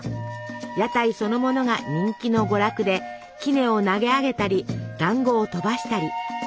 屋台そのものが人気の娯楽できねを投げ上げたりだんごを飛ばしたり。